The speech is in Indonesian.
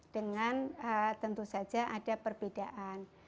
dengan tentu saja ada perbedaan